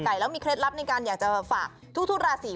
แล้วมีเคล็ดลับในการอยากจะฝากทุกราศี